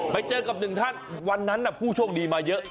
ไปเจอกับหนึ่งท่านวันนั้นผู้โชคดีมาเยอะ